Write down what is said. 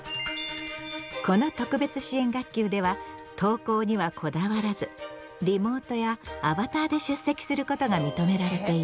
この特別支援学級では登校にはこだわらずリモートやアバターで出席することが認められている。